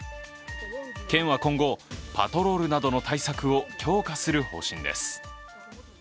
県は今後、パトロールなどの対策を強化する方針です。